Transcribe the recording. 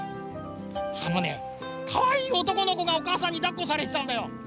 あのねかわいいおとこのこがおかあさんにだっこされてたんだよ。